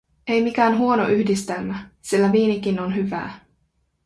Ei mikään huono yhdistelmä, sillä viinikin on hyvää.